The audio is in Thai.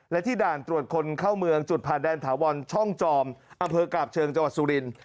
และที่ด่านตรวจคนเข้าเมืองจุดผ่านแดนถาวรช่องจอมอำเภอกาบเชิงจังหวัดสุรินทร์